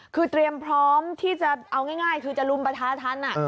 คือเตรียมพร้อมที่จะเอาง่ายคือจะลุมประทาทัน